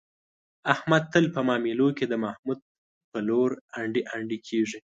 احمد تل په معاملو کې، د محمود په لور انډي انډي کېږي.